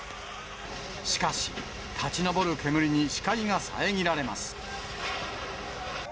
しかし、立ち上る煙に視界が遮られます。